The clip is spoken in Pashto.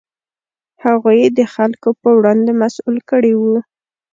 هغوی یې د خلکو په وړاندې مسوول کړي وو.